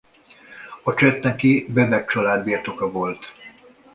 A csetneki Bebek család birtoka volt.